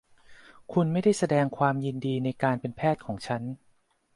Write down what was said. คุณไม่ได้แสดงความยินดีในการเป็นแพทย์ของฉัน